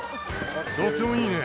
とてもいいね！